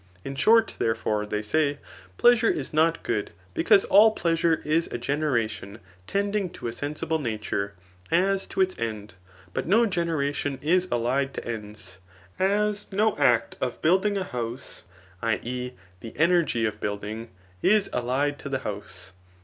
In shor^ therefore, they say, pleasure is not good, because all pleap sure is a generation tending to a sensible nature [as to its end \] but no generatbn is allied to ends ; as no act of building a house, \u e. the energy of buildingt oixoSofuj^ i^ J is allied to the house.